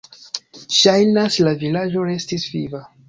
Ŝajnas, la vilaĝo restis viva.